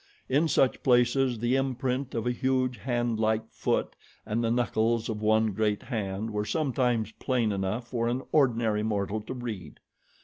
In such places the imprint of a huge handlike foot and the knuckles of one great hand were sometimes plain enough for an ordinary mortal to read.